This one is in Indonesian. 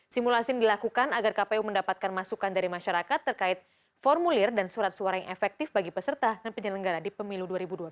simulasi ini dilakukan agar kpu mendapatkan masukan dari masyarakat terkait formulir dan surat suara yang efektif bagi peserta dan penyelenggara di pemilu dua ribu dua puluh